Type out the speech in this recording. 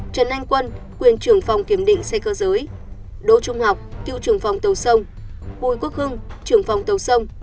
trần anh quân quyền trưởng phòng kiểm định xe cơ giới đỗ trung học cựu trưởng phòng tàu sông bùi quốc hưng trưởng phòng tàu sông